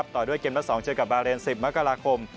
ต่อด้วยเกมละ๒เจอกับบาเรน๑๐มกราคม